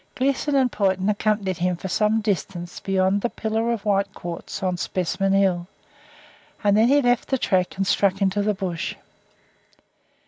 Gleeson and Poynton accompanied him for some distance beyond the pillar of white quartz on Specimen Hill, and then he left the track and struck into the bush.